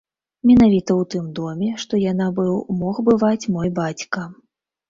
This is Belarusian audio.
Менавіта ў тым доме, што я набыў, мог бываць мой бацька.